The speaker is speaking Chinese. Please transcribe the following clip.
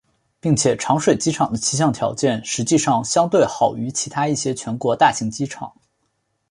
并且长水机场的气象条件实际上相对好于其他一些全国大型机场。